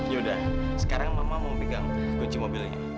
yaudah sekarang mama mau pegang kunci mobilnya